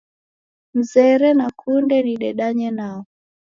Mzere nakunde nidedanye nao.